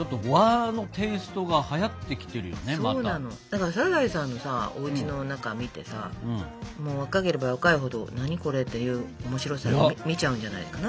だからサザエさんのさおうちの中見てさ若ければ若いほど「何これ？」っていう面白さで見ちゃうんじゃないのかな。